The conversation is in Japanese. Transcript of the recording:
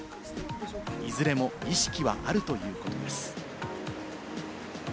いずれも意識はあるということです。